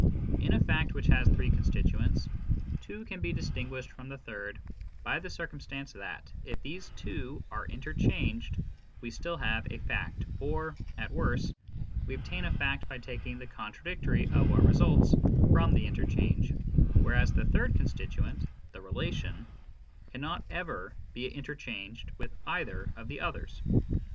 In a fact which hae three con HOW PROPOSITIONS MEAN. 6 stituents, two can be distinguished from the third by the circumstance that, if these two are interchanged, we still have a fact, or, at worst, we obtain a fact by taking the contra dictory of what results from the interchange, whereas the third constituent (the relation) cannot ever be interchanged with either of the others.